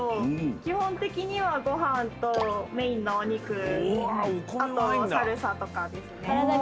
基本的にはご飯とメインのお肉あとサルサとかですね。